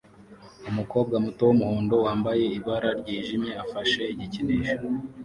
Umukobwa muto wumuhondo wambaye ibara ryijimye afashe igikinisho